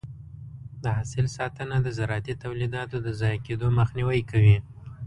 د حاصل ساتنه د زراعتي تولیداتو د ضایع کېدو مخنیوی کوي.